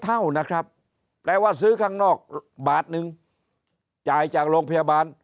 เท่านะครับแปลว่าซื้อข้างนอกบาทนึงจ่ายจากโรงพยาบาล